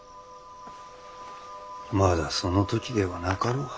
まだその時ではなかろうが。